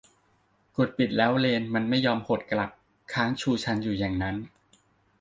กดปิดแล้วเลนส์มันไม่ยอมหดกลับ ค้างชูชันอยู่อย่างนั้น